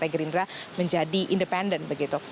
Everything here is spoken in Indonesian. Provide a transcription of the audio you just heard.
partai gerindra menjadi independen begitu